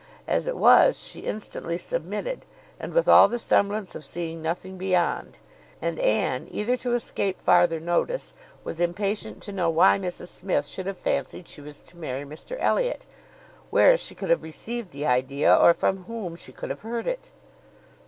As it was, she instantly submitted, and with all the semblance of seeing nothing beyond; and Anne, eager to escape farther notice, was impatient to know why Mrs Smith should have fancied she was to marry Mr Elliot; where she could have received the idea, or from whom she could have heard it.